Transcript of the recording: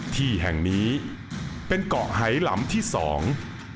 ที่แห่งนี้เป็นเกาะไหลำที่สอง